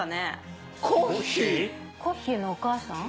コッヒーのお母さん？